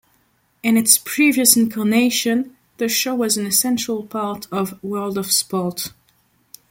In its previous incarnation, the show was an essential part of "World of Sport".